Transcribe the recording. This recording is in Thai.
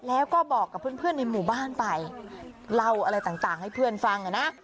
แล้วก็บอกกับเพื่อนในหมู่บ้านไปเล่าอะไรต่างให้เพื่อนฟังอ่ะนะ